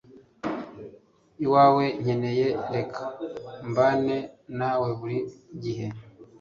iwowe nkeneye reka mbane nawe buri gihe